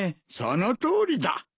そのとおりだ。